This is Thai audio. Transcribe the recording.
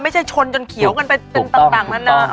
ไม่ใช่ชนจนเขียวกันไปเป็นต่างนั่น